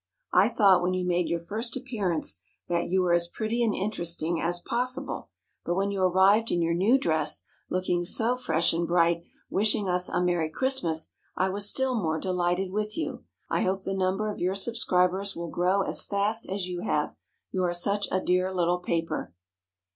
I thought when you made your first appearance that you were as pretty and interesting as possible, but when you arrived in your new dress, looking so fresh and bright, wishing us a "Merry Christmas," I was still more delighted with you. I hope the number of your subscribers will grow as fast as you have, you are such a dear little paper.